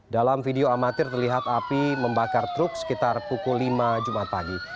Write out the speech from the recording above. dalam video amatir terlihat api membakar truk sekitar pukul lima jumat pagi